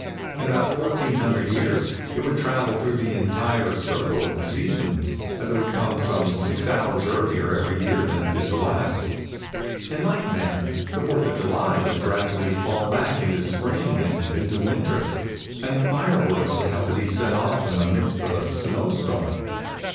In about 1400 years it would travel through the entire circle of the seasons, as it would come some six hours earlier every year than it did the last. In like manner the Fourth of July would gradually fall back into spring, then into winter; and the fire works would have to be set off in the midst of a snow storm.